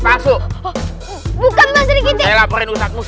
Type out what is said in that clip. terhukum bukan lebih tinggi ber dominan pada sbo y summer